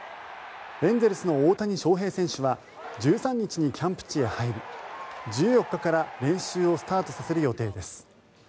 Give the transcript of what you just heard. エンゼルスの大谷翔平選手は１３日にキャンプ地へ入り１４日から練習をスタートさせる予定です。